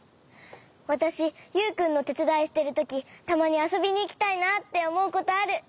わたしユウくんのてつだいしてるときたまにあそびにいきたいなっておもうことある！